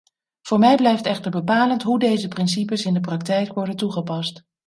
Voor mij blijft echter bepalend hoe deze principes in de praktijk worden toegepast.